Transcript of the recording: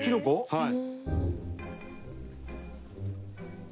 はい。